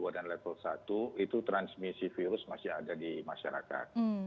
dan level satu itu transmisi virus masih ada di masyarakat